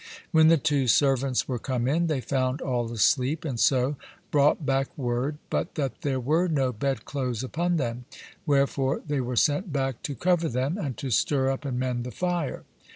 When the two servants were come in, they found all asleep, and so brought back word, but that there were no bedclothes upon them; wherefore they were sent back to cover them, and to stir up and mend the fire.